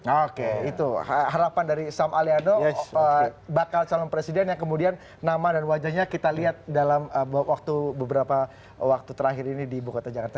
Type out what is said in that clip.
oke itu harapan dari sam aliano bakal calon presiden yang kemudian nama dan wajahnya kita lihat dalam beberapa waktu terakhir ini di ibu kota jakarta